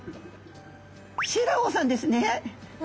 「シイラ夫さんですね」。